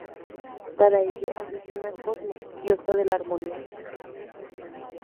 Para ello asesina a Cosmos, diosa de la armonía.